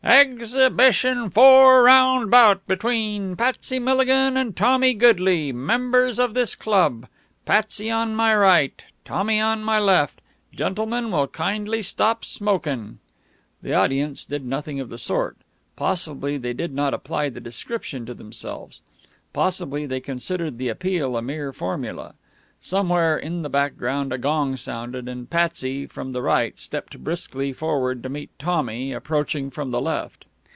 "Ex hibit i on four round bout between Patsy Milligan and Tommy Goodley, members of this club. Patsy on my right, Tommy on my left. Gentlemen will kindly stop smokin'." The audience did nothing of the sort. Possibly they did not apply the description to themselves. Possibly they considered the appeal a mere formula. Somewhere in the background a gong sounded, and Patsy, from the right, stepped briskly forward to meet Tommy, approaching from the left.